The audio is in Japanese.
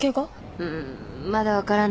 うんまだ分からない。